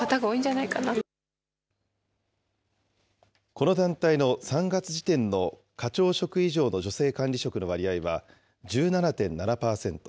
この団体の３月時点の課長職以上の女性管理職の割合は１７．７％。